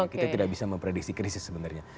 kita tidak bisa memprediksi krisis sebenarnya